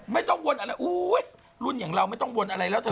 ไม่ต้องวนอะไรอุ๊ยรุ่นอย่างเราไม่ต้องวนอะไรแล้วเถ